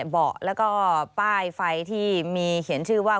เบาะแล้วก็ป้ายไฟที่มีเขียนชื่อว่า